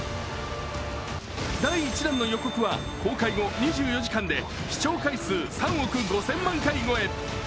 第１弾の予告は、公開後２４時間で市長回数３億５０００万回超え。